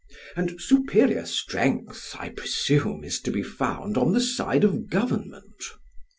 And superior strength, I presume, is to be found on the side of government.